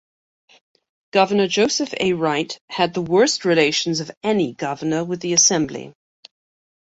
Governor Joseph A. Wright had the worst relations of any governor with the assembly.